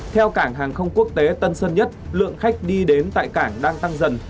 theo cảng hàng không quốc tế tân sơn nhất lượng khách đi đến tại cảng đang tăng dần